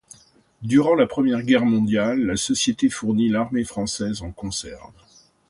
Durant la Première Guerre mondiale, la société fournit l'armée française en conserves.